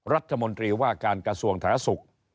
รัฐมนตรีว่าการกระทรวงถ้าศุกร์